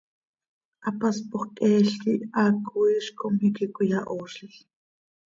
Hapaspoj cheel quih haaco iizc com iiqui cöiyahoozlil.